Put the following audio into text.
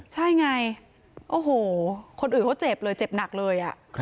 ใช่ไงโอ้โหคนอื่นเขาเจ็บเลยเจ็บหนักเลย